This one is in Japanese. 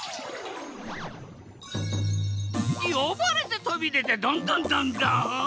よばれてとびでてドンドンドンドン！